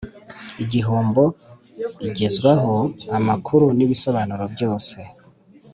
Igihombo igezwaho amakuru n ibisobanuro byose